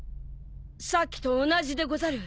さっきと同じでござる。